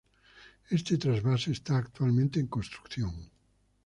Este trasvase esta actualmente en construcción.